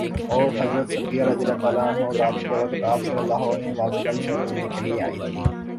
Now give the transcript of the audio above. اور حضرت صفیہ رضی اللہ عنہا رات کے وقت آپ صلی اللہ علیہ وسلم سے ملنے کے لیے آئی تھیں